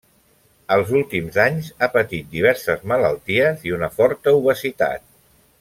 Als últims anys ha patit diverses malalties i una forta obesitat.